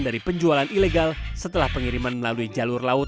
dari penjualan ilegal setelah pengiriman melalui jalur laut